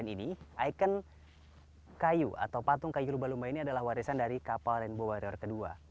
ini ikon kayu atau patung kayu lumba lumba ini adalah warisan dari kapal rainbow warrior kedua